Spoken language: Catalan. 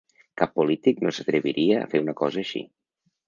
Cap polític no s’atreviria a fer una cosa així.